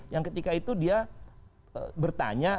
yang ketika itu dia bertanya